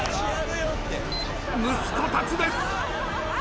息子たちです。